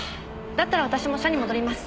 だったら私も社に戻ります。